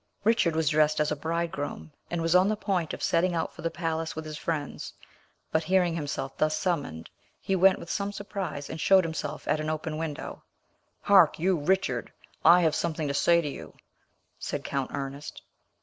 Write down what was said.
Richard was dressed as a bridegroom, and was on the point of setting out for the palace with his friends, but hearing himself thus summoned, he went with some surprise and showed himself at an open window. "Hark you, Richard; I have something to say to you," said Count Ernest.